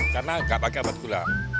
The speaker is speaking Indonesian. karena tidak pakai bat gula